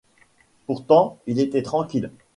Pourtant, il était tranquille.